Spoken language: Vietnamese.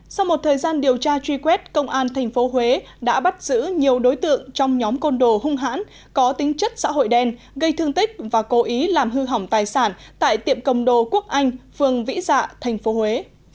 sau một thời gian điều tra truy quét công an tp huế đã bắt giữ nhiều đối tượng trong nhóm côn đồ hung hãn có tính chất xã hội đen gây thương tích và cố ý làm hư hỏng tài sản tại tiệm cầm đồ quốc anh phường vĩ dạ tp huế